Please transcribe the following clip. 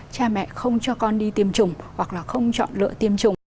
cha mẹ không cho con đi tiêm chủng hoặc là không chọn lựa tiêm chủng